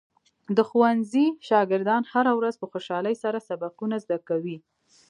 د ښوونځي شاګردان هره ورځ په خوشحالۍ سره سبقونه زده کوي.